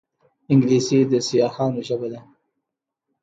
انګلیسي د سیاحانو ژبه ده